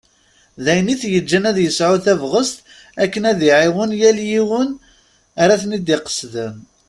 D ayen i t-yettaǧǧan ad yesɛu tabɣest akken ad iɛawen yal win ara ten-id-iqesden.